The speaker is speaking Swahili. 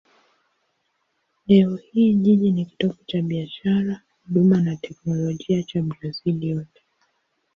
Leo hii jiji ni kitovu cha biashara, huduma na teknolojia cha Brazil yote.